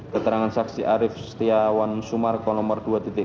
keterangan saksi arief setiawan sumarko nomor dua lima belas